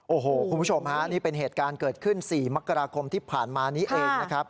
โอ้โหคุณผู้ชมฮะนี่เป็นเหตุการณ์เกิดขึ้น๔มกราคมที่ผ่านมานี้เองนะครับ